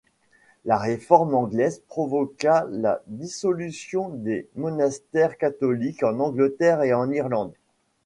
La Réforme anglaise provoqua la dissolution des monastères catholiques en Angleterre et en Irlande.